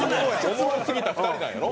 おもろすぎた２人なんやろ？